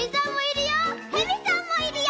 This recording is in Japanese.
とりさんもいるよ